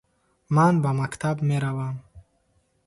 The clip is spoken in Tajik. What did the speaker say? Ман ба мактаб меравам.